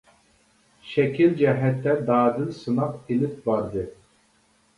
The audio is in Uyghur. شەكىل جەھەتتە دادىل سىناق ئېلىپ باردى.